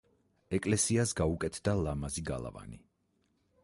ეკლესიას გაუკეთდა ლამაზი გალავანი.